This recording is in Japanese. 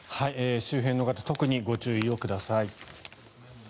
周辺の方特にご注意ください。